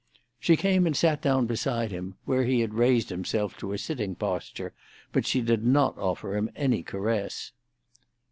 She came and sat down beside him, where he had raised himself to a sitting posture, but she did not offer him any caress.